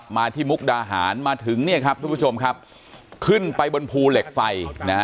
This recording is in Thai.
มาที่มุกดาหารมาถึงนะครับทุกผู้ชมขึ้นไปบนภูเหล็กไฟ